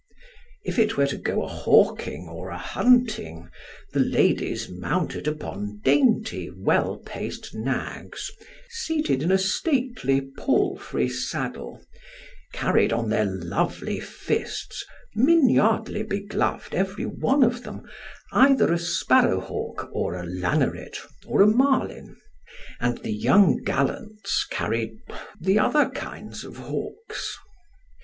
If it were to go a hawking or a hunting, the ladies mounted upon dainty well paced nags, seated in a stately palfrey saddle, carried on their lovely fists, miniardly begloved every one of them, either a sparrowhawk or a laneret or a marlin, and the young gallants carried the other kinds of hawks.